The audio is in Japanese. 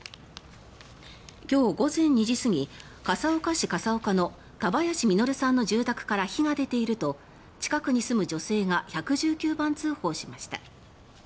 今日午前２時過ぎ笠岡市笠岡の田林稔さんの住宅から火が出ていると近くに住む女性が１１９番通報しました。